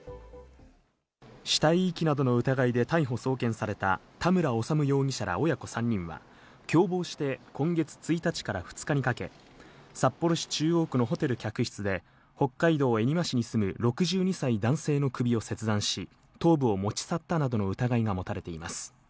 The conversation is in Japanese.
死体遺棄などの疑いで逮捕・送検された田村修容疑者ら親子３人は、共謀して、今月１日から２日にかけ、札幌市中央区のホテル客室で、北海道恵庭市に住む６２歳男性の首を切断し、頭部を持ち去ったなどの疑いが持たれています。